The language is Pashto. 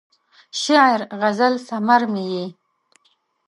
شعر، غزل ثمر مې یې